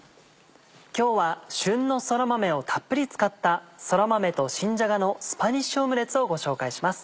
今日は旬のそら豆をたっぷり使った「そら豆と新じゃがのスパニッシュオムレツ」をご紹介します。